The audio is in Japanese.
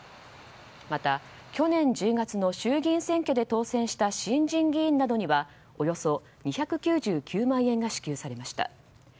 また去年１０月の衆議院選挙で当選した新人議員などにはおよそ２９９万円が支給されました。